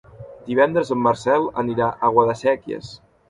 Divendres en Marcel anirà a Guadasséquies.